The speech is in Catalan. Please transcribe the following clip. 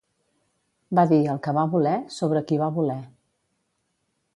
Va dir el que va voler, sobre qui va voler.